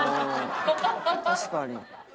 確かに。